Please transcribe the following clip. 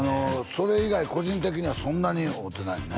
それ以外個人的にはそんなに会うてないね